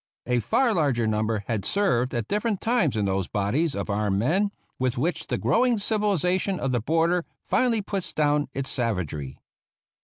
A far larger number had served at diflferent times in those bodies of armed men with which the growing civilization of the border finally puts down its savagery.